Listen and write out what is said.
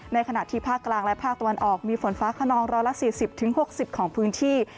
ขณะที่ภาคกลางและภาคตะวันออกมีฝนฟ้าขนอง๑๔๐๖๐ของพื้นที่